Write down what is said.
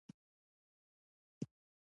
یو ځل مې هڅه وکړه چې مخ ته یې په دقت وګورم.